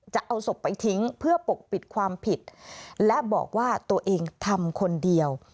จะเอาศพไปทิ้งเพื่อปกปิดความผิดและบอกว่าตัวเองทำคนเดียว